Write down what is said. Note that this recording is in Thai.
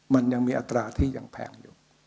มันยังมีอัตราที่ยังแพงอยู่